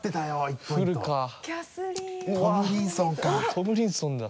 トムリンソンか。